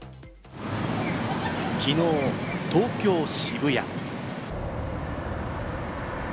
昨日、東京・渋谷。